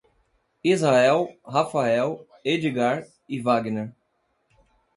Israel, Rafael, Edgar e Wagner